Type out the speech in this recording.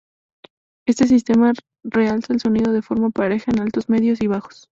Este sistema realza el sonido de forma pareja en altos medios y bajos.